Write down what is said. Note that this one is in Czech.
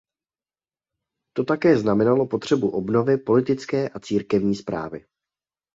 To také znamenalo potřebu obnovy politické a církevní správy.